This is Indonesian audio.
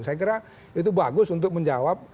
saya kira itu bagus untuk menjawab